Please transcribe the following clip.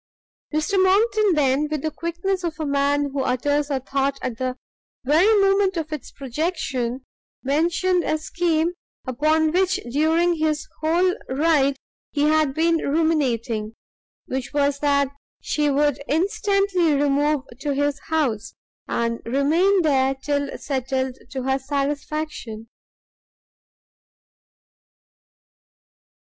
Mr Monckton then, with the quickness of a man who utters a thought at the very moment of its projection, mentioned a scheme upon which during his whole ride he had been ruminating; which was that she would instantly remove to his house, and remain there till settled to her satisfaction.